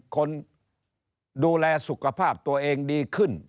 คนดูแลสุขภาพตัวเองดีขึ้น